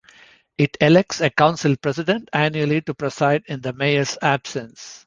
It elects a Council President annually to preside in the Mayor's absence.